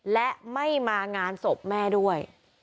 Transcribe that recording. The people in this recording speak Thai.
และไม่มางานศพแม่ด้วย